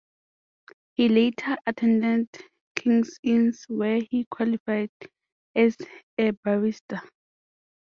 He later attended King's Inns where he qualified as a barrister.